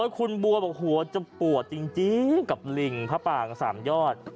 คุณบัวบอกหัวจะปวดจริงกับลิงพระปาง๓ยอด